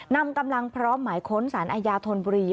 นำกำลังพร้อมหมายค้นสารอาญาธนบุรี